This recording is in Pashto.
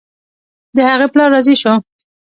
د هغې پلار راضي شو.